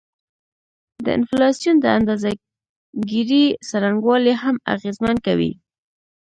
د انفلاسیون د اندازه ګيرۍ څرنګوالی هم اغیزمن کوي